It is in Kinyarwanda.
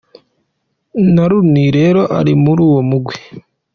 Na Rooney rero ari muri uwo mugwi.